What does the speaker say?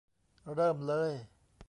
เริ่มเลย !